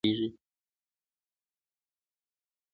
ایا ستاسو همت به ټیټیږي؟